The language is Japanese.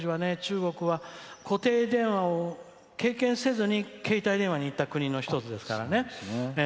中国は固定電話を経験せずに携帯電話にいった国の一つですから。